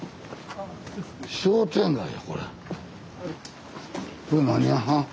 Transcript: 商店街やこれは。